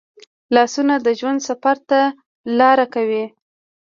لاسونه د ژوند سفر ته لار کوي